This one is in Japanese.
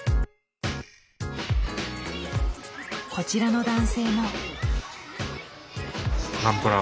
こちらの男性も。